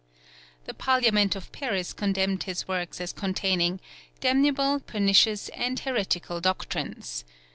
The Parliament of Paris condemned his works as containing "damnable, pernicious, and heretical doctrines."